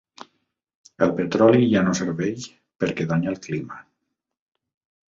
El petroli ja no serveix, perquè danya el clima.